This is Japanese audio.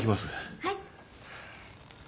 はい。